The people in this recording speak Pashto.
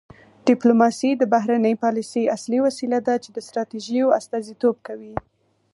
ډیپلوماسي د بهرنۍ پالیسۍ اصلي وسیله ده چې ستراتیژیو استازیتوب کوي